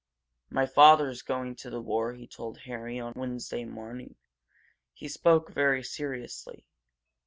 "My father's going to the war," he told Harry on Wednesday morning. He spoke very seriously.